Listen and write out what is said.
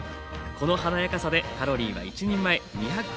この華やかさでカロリーは１人前２１４ｋｃａｌ。